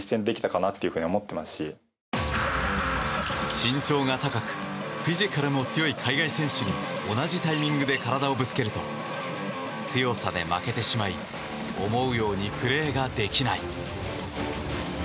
身長が高くフィジカルも強い海外選手に同じタイミングで体をぶつけると強さで負けてしまい思うようにプレーができない。